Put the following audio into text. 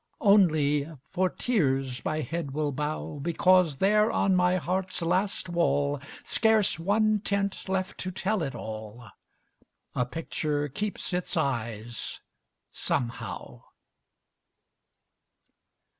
Only, for tears my head will bow, Because there on my heart's last wall, Scarce one tint left to tell it all, A picture keeps its eyes, somehow.